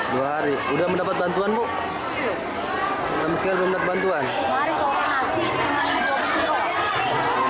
kami mengambil buku bingung oleh mahasiswa seberapa dilihat lunak